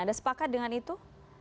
ada sepakat dengan itu